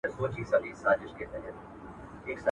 هم راغلي كليوال وه هم ښاريان وه.